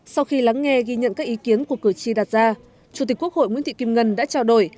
sau khi lắng nghe ghi nhận các ý kiến của cử tri đặt ra chủ tịch quốc hội nguyễn thị kim ngân đã trao đổi